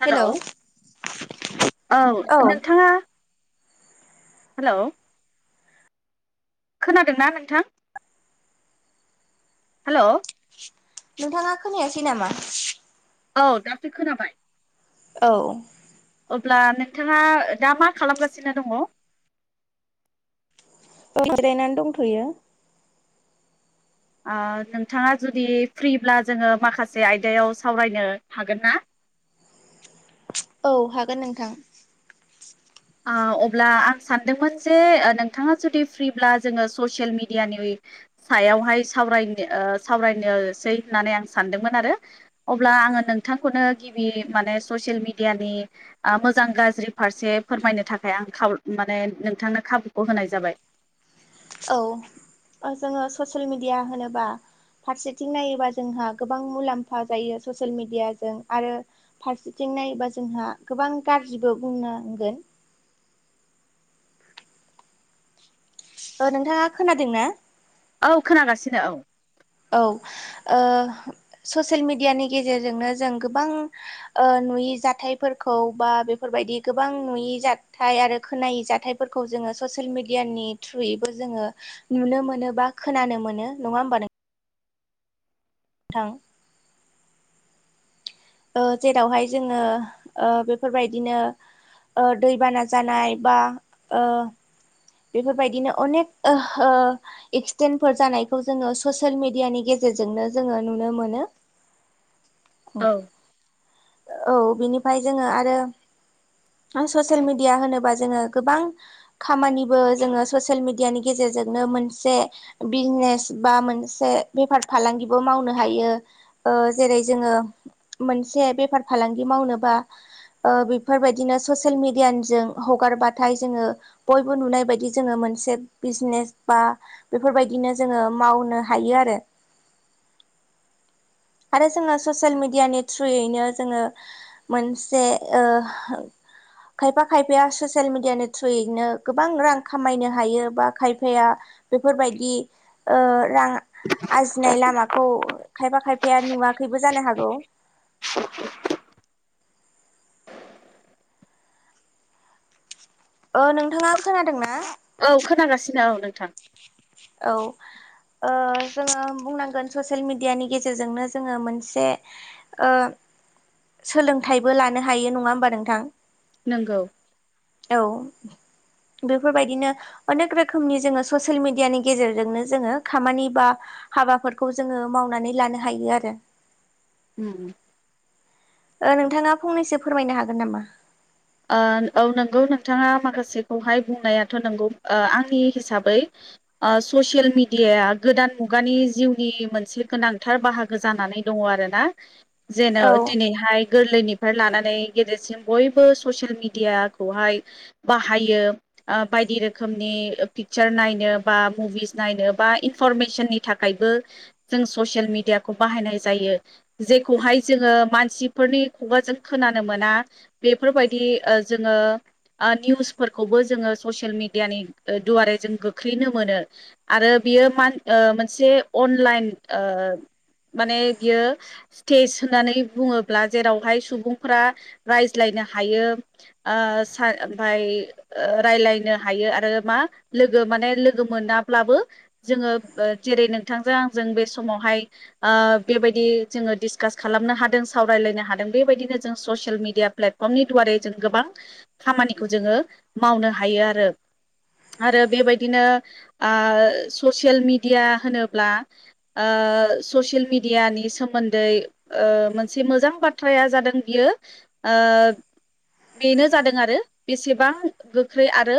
हेल' hello औ औ नोंथाङा हेलौ खोनादोंना नोंथां हेल' नोंथाङा खोनायासै नामा औ दाथो खोनाबाय औ अब्ला नोंथाङा दा मा खालामगासिनो दङ जिरायनानै दंथ'यो आ नोंथाङा जुदि फ्रिब्ला जोङो माखासे आयदायाव सावरायनो हागोन ना औ हागोन नोंथां आ अब्ला आं सानदोंमोन जे नोंथाङा जुदि फ्रिब्ला जोङो ससियेल मिडियानि सायावहाय सावरायनो ओ सावरायनोसै होननानै आं सानदोंमोन आरो अब्ला दा आङो नोंथांखौनो गिबि माने ससियेल मिडियानि आं मोजां गाज्रि फारसे फोरमायनो थाखाय आं खाव माने नोंथांनो खाबुखौ होनाय जाबाय औ जोङो ससियेल मिडिया होनोबा फारसेथिं नायोबा जोंहा गोबां मुलाम्फा जायो ससियेल मिडियाजों आरो फारसेथिं नायो जोंहा गोबां गाज्रिबो बुंनांगोन नोंथाङा खोनादों ना औ खोनागासिनो औ औ ओ ससियेल मिडियानि गेजेरजोंनो जों गोबां ओ नुयि जाथायफोरखौ बा बेफोरबायदि गोबां नुयि जाथाय आरो खोनायै जाथायफोरखौ जोङो ससियेल मिडियानि थ्रुयैबो जोङो नुनो मोनो बा खोनानो मोनो नङा होमबा नों थां ओ जेरावहाय जोङो ओ बेफोरबायदिनो ओ दैबाना जानाय बा बेफोरबायदिनो अनेक ओहो एक्सिडेन्टफोर जानायखौ जोङो ससियेल मिेडियानि गेजेरजों जोंनो जोङो नुनो मोनो [unintelligible] औ औ बिनिफ्राय जोङो आरो ससियेल मिडिया होनोबा जोङो गोबां खामानि बो जोङो ससियेल मिडियानि गेजेरजोंनो मोनसे बिननेस बा मोनसे बेफार फालांगिबो मावनो हायो ओ जेरै जोङो मोनसे बेफार फालांगि मावनोबा ओ फोरबायदिनो ससेल मिडियानिजों हगारबाथाय जोङो बयबो नुनाय बायदि जोङो मोनसे बिजनेस बा बेफोरबायदिनो जोङो मावनो हायो आरो [unintelligible] आरो जोङो ससियेल मिडियानि थ्रुयैनो जोङो मोनसे ओ खायफा खायफाया ससियेल मिडियानि थ्रुयैनो गोबां रां खामायनो हायो बा खायफाया बेफोरबायदि ओ रां आरजिनाय लामाखौ खायफा खायफाया नुवाखैबो जानो हागौ ओ औ खोनागासिनो औ नोंथां औ ओ जोङो बुंनांगोन ससियेल मेडियानि गेजेरजोंनो जोङो मोनसे ओ सोलोंथाइबो लानो हायो नङा होमबा नोंथां नोंगौ औ बेफोरबायदिनो अनेक रोखोमनि जोङो ससियेल मेडियानि गेजेरजोंनो जोङो खामानि बा हाबाफोरखौ जोङो मावनानै लानो हायो आरो उम ओ नोंथाङा फंनैसो फोरमायनो हागोन नामा ओ औ नोंगौ नोंथाङा माखासेखौहाय बुंनायाथ' नोंगौ आंनि हिसाबै ससियेल मिडियाया गोदान मुगानि जिउनि मोनसे गोनांथार बाहागो जानानै दङ आरोना जेन' औ दिनैहाय गोरलैनिफ्राय लानानै गेदेरसिम बयबो ससिल मिदियाखौहाय बाहायो बायदि रोखोमनि पिकचार नायनो बा मुभिस नायनो बा इनफरमेसननि थाखायबो जों ससियेल मिडियाखौ बाहायनाय जायो जेखौहाय जोङो मानसिफोरनि खुगाजों खोनानो मोना बेफोरबायदि ओ जोङो ओ निउसफोरखौबो जोङो ससियेल मिडियानि दुवारै जों गोख्रैनो मोनो आरो बियो मा मोनसे अनलाइन ओ माने बियो स्टेज होननानै बुङोब्ला जेरावहाय सुबुंफोरा रायज्लायनो हा हायो आ सा ओमफाय ओ रायलायनो हायो आरो मा लोगो माने लोगो मोनाब्लाबो जोङो जेरै नोंथांजों आंजों बे समावहाय आ बेबायदि जोङो डिसकास खालामनो हादों सावरायलायनो हादों बेबायदिनो जों ससियेल मिडिया प्लेट फ्रमनि दुवारै जों गोबां खामानिखौ जोङो मावनो हायो आरो आरो बेबायदिनो आ ससियेल मिडिया होनोब्ला ओ ससियेल मिडियानि सोमोन्दै मोनसे मोजां बाथ्राया जादों बियो ओ ओ बेनो जादों आरो बेसेबां गोख्रै आरो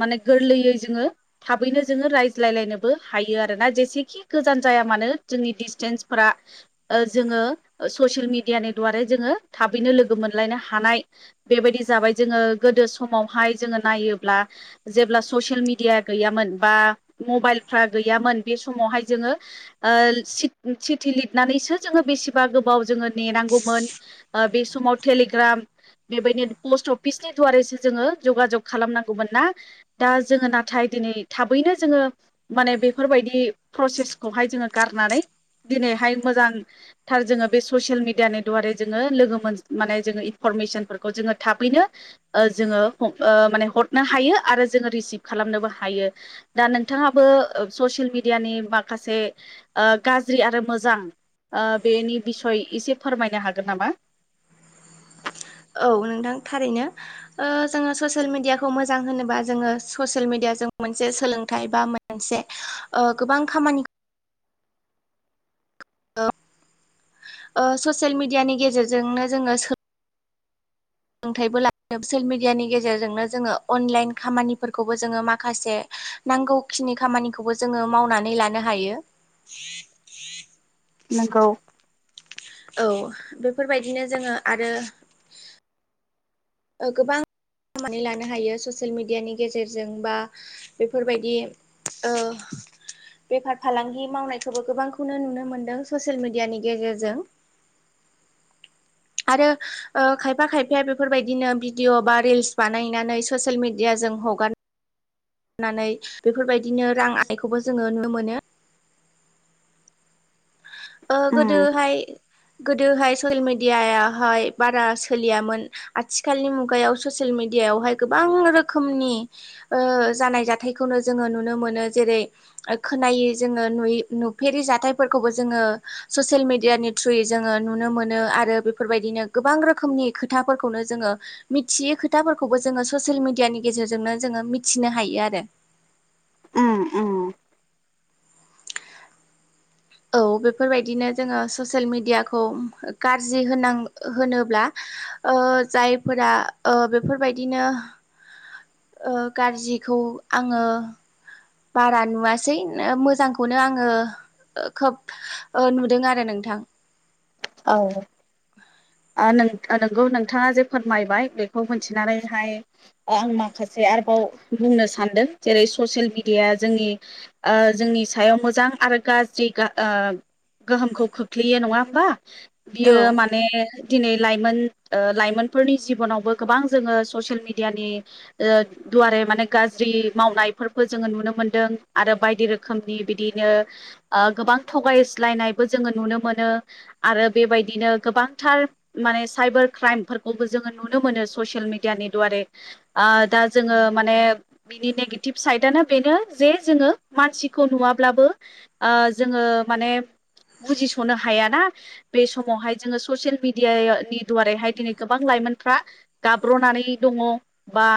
माने गोरलैयै जोङो थाबैनो जोङो रायज्लायलायनोबो हायो आरोोना जेसेखि गोजान जाया जाया मानो जोंनि डिस्थेनजफोरा ओ जोङो ससेल मिडियानि दारै जोङो थाबै नो लोगो मोनलायनो हा हानाय बेबायदि जाबाय जोङो गोदो समावहाय जोङो नायोब्ला जेब्ला ससियेल मिडिया गैयामोन बा मबाइलफ्रा गैयामोन बे समावहाय जोङो लिरनानैसो जोङो बेसेबा गोबाव जोङो नेनांगौमोन बे समाव जाम बेबायदिनो पस्ट अफिसनि दुवारैसो जोङो जगाजग खालामनांगौमोन ना दा जोङो नाथाय दिनै थाबैनो जोङो माने बेफोरबायदि प्रसेसखौहाय जोङो गारनानै दिनैहाय मोजांथार जोङो बे ससियेल मिडियानि दुवारै जोङो लोगो मोन माने जोङो इनपरमेसनफोरखौ जोङो थाबैनो ओ जोङो माने हरनो हायो आरो जोङो रि सिभ खालामनोबो हायो दा नोंथाङाबो ओ ससियेल मिडियानि माखासे ओ गाज्रि आरो मोजां बेनि बिसय एसे फोरमायनो हागोन नामा? औ नोंथां थारैनो। ओ जोङो ससियेल मिडियाखौ मोजां होनोबा जोङो ससियेल मिडिया जों मोनसे सोलोंथाइ बा मोनसे गोबां खामानिखौ ओ ससियेल मिडियानि गेजेरजोंनो जोङो सोलोंथाइबो लायो ससियेल मिडियानि गेजेरजोंनो जोङो अनलाइन खामानिफोरखौबो जोङो माखासे नांगौखिनि खामानिखौबो जोङो मावनानै लानो हायो। नोंगौ। औ बेफोरबायदिनो जोङो आरो ओ गोबां [unintelligible] नानै लानो हायो ससियेल मिेडियानि गेजेरजों बा बेफोरबायदि ओ बेफार फालांगि मावनायखौबो गोबांखौनो नुनो मोनदों ससियेल मिडियानि गेजेरजों। [inaudible] आरो ओ खायफा खायफाया बेफोरबायदिनो भिडिअ बा रिल्स बानायनानै ससियेल मिडिया जों हगारनानै बेफोरबायदिनो रां आइखौबो जोङो नुनो मोनो। ओ उम गोदोहाय गोदोहाय ससियेल मिडियाहाय बारा सोलियामोन, आथिखालनि मुगायाव ससियेल मिडियाायावहाय गोबां रोखोमनि ओ जानाय जाथायखौनो जोङो नुनो मोनो जेरै ओ खोनायै जोङो नुयै नुफेरि जाथायफोरखौबो जोङो ससियेल मिडियानि थ्रुयै जोङो नुनो मोनो आरो बेफोरबायदिनो गोबां रोखोमनि खोथाफोरखौनो जोङो मिथियै खोथाफोरखौबो जोङो ससियेल मिडियानि गेजेरजोंनो जोङो मिथिनो हायो आरो। ओम ओम। औ बेफोरबायदिनो जोङो ससियेल मेडियाखौ गाज्रि होनां होनोब्ला ओ जायफोरा ओ बेफोरबायदिनो ओ गाज्रिखौ आङो बारा नुवासै, ओ मोजांखौनो आङो खोब ओ नुदों आरो नोंथां। औ। आ नों नोंगौ नोंथाङा जे फोरमायबाय बेखौ मिथिनानैहाय आं माखासे आरोबाव बुंनो सानदों जेरै ससियेल मिडियाया जोंनि ओ जोंनि सायाव मोजां आरो गा गाज्रि गा ओ गोहोमखौ खोख्लैयो नङा होमबा बियो औ माने दिनै लाइमोन ओ लाइमोनफोरनि जिबनावबो गोबां जोङो ससियेल मिडियानि ओ दुवारे माने गाज्रि मावनायफोरखौ जोङो नुनो मोनदों आरो बायदि रोखोमनि बिदिनो ओ गोबां थगायज्लायनायबो जोङो नुनो मोनो आरो बेबायदिनो गोबांथार माने साइबार क्राइमफोरखौबो जोङो नुनो मोनो ससियेल मिडियानि दुवारै। ओ दा जोङो माने बिनि नेगेटिभ साइडआानो बेनो जे जोङो मानसिखौ नुवाब्लाबो ओ जोङो माने बुजिस'नो हायाना। बे समावहाय जोङो ससियेल मिडिया नि दुवारैहाय दिनै गोबां लाइमोनफ्रा गाब्र'नानै दङ बा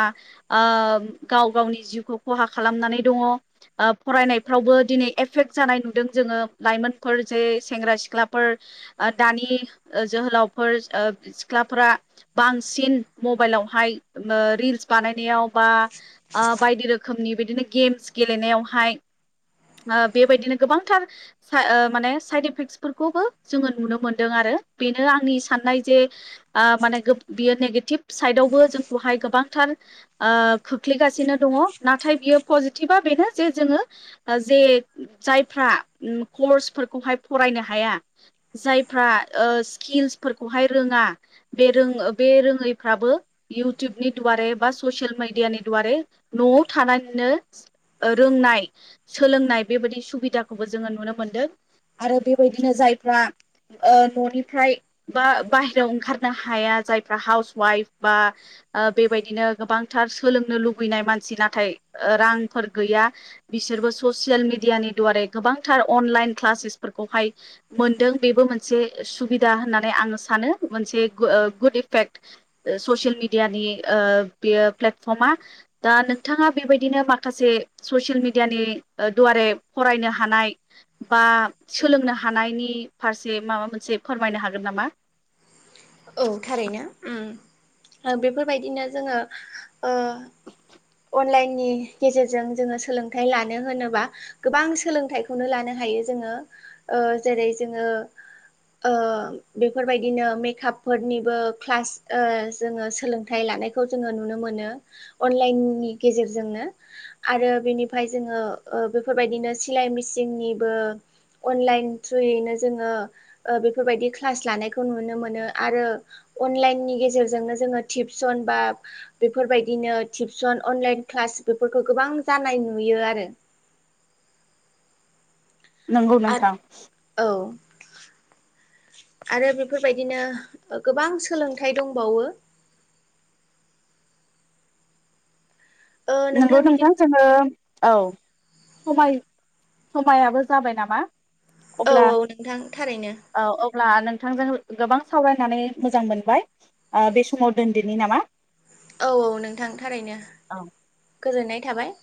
गाव गावनि जिउखौ खहा खालामनानै दङ। ओ फरायनायफ्रावबो दिनै एफेक्ट जानाय नुदों जोङो लाइमोनफोर जे सेंग्रा सिख्लाफोर ओ दानि जोहोलावफोर सिख्लाफोरा बांसिन मबाइलाव हाय ओ रिल्स बानायनायाव बा ओ बायदि रोखोमनि बिदिनो गेम गेलनायाव हाय ओ बेबायदिनो गोबांथार माने साइद इफेक्टसफोरखौबो जोङो नुनो मोनदों आरो, बेनो आंनि साननाय जे माने बियो नेगेटिभ साइड बेयावबो जोंखौहाय गोबांथार ओ खोख्लैगासिनो दङ, नाथाय बियो पजिटिभा बेनो जे जोङो जे जायफ्रा कर्सफोरखौहाय फरायनो हाया जायफ्रा ओ स्किल्सफोरखौहाय रोङा बे रो बे रोङैफ्राबो इउटुबनि दुवारे बा ससियेल मिडियानि दुवारे न'आव थानानैनो ओ रोंनाय सोलोंनाय बेबायदि सुबिदाखौबो जोङो नुनो मोनदों। आरो बेबायदिनो जायफ्रा ओ न'निफ्राय बा बाहेरायाव ओंखारनो हाया जायफ्रा हाउस वाइफ बा ओ बेबायदिनो गोबांथार सोलोंनो लुुबैनाय मानसि नाथाय ओ‌ रांफोर गैया बिसोरबो ससियेल मिडियानि दुवारै गोबांथार अनलाइन क्लासेसफोरखौहाय मोनदों बेबो मोनसे सुबिदा होननानै आं सानो मोनसे गु ओ गुड इफेक्ट ससियेल मिडियानि ओ बेयो प्लेटफर्मा दा नोंथाङा बेबायदिनो माखासे ससियेल मिडियानि दुवारै फरायनो हानाय बा सोलोंनो हा नायनि फारसे माबा मोनसे फोरमायनो हागोन नामा? औ थारैनो उम बेफोरबायदिनो जोङो ओ अनलाइननि गेजेरजों जोङो सोलोंथाइ लानो होनोबा गोबां सोलोंथाइखौनो लानो हायो जो ङो ओ जेरै-जोङो बेफोरबायदिनो मेकआप फोरनिबो क्लास ओ जोङो सोलोंथाइ लानायखौ जोङो नुनो मोनो। अनलाइन नि गेजेरजोंनो आरो बेनिफ्राय जोङो ओ बेफोरबायदिनो सिलाय मेसिननिबो अनलाइन थ्रुयैनो जोङो ओ बेफोरबायदि क्लास लानायखौ नुनो मोनो। आरो अनलाइननि गेजेरजोंनो जोङो टिबसन बा बेफोरबायदिनो टिबसन अनलाइन क्लास बेफोरखौ गोबां जानाय नुयो आरो। [inaudible] नंगौ आरो नोंथां। औ आरो बेफोरबायदिनो ओ गोबां सोलोंथाइ दंबावो [inaudible] ओ नंगौ बिदि नोंथां। जोङो औ समाय-समायाबो जाबाय नामा? औ अब्ला औ नोंथां थारैनो औ अब्ला नों नोंथांजों गोबां सावरायनानै मोजां मोनबाय। ओ बे समाव दोनदिनि नामा? औ औ नोंथां थारैनो औ गोजोननाय थाबाय।